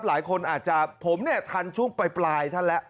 หลายคนอาจจะผมเนี่ยทันช่วงปลายท่านแล้ว